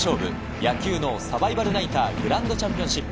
野球脳サバイバルナイター、グランドチャンピオンシップ。